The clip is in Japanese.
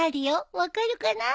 分かるかな？